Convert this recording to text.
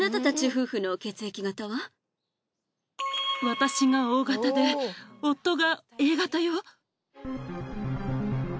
私がＯ型で夫がＡ型よ。